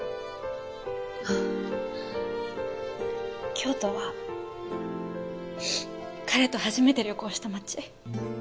京都は彼と初めて旅行した街。